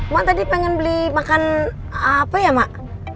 mak tadi pengen beli makan apa ya mak